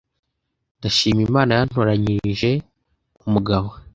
Ndashima Imana yantoranirije umugabo